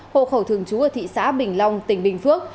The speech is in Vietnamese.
hộ khẩu thường trú ở thị xã bình long tỉnh bình phước